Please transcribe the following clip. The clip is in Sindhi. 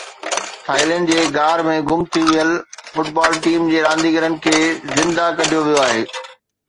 ٿائيلينڊ جي غار ۾ گم ٿي ويل فٽبال ٽيم جي رانديگرن کي زنده ڪڍيو ويو آهي